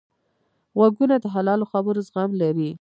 غوږونه د حلالو خبرو زغم لري